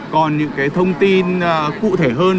còn những cái thông tin cụ thể hơn